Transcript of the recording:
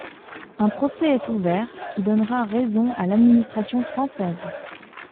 Un procès est ouvert, qui donnera raison à l'administration française.